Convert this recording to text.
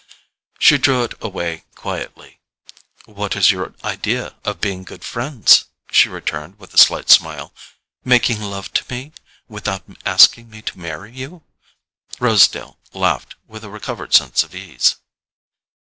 She drew it away quietly. "What is your idea of being good friends?" she returned with a slight smile. "Making love to me without asking me to marry you?" Rosedale laughed with a recovered sense of ease.